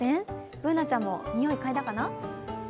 Ｂｏｏｎａちゃんも匂い、かいだかな？